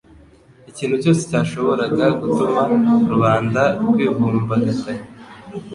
ikintu cyose cyashoboraga gutuma rubanda rwivumbagatanya,